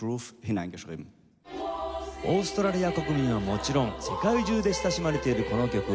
オーストラリア国民はもちろん世界中で親しまれているこの曲を。